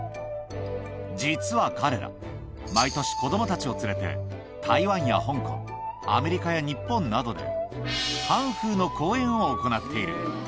実は彼ら、毎年、子どもたちを連れて、台湾や香港、アメリカや日本などで、カンフーの公演を行っている。